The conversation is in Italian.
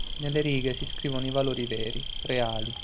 Nelle righe si scrivono i valori veri, reali.